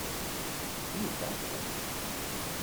Who was that chap?